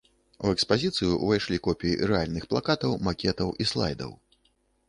У экспазіцыю ўвайшлі копіі рэальных плакатаў, макетаў і слайдаў.